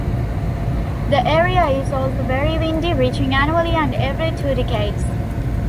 The area is also very windy, reaching annually and every two decades.